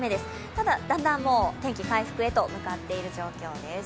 ただ、だんだん天気回復へと向かっている状況です。